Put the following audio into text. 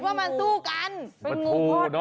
คิดว่ามันสู้กัน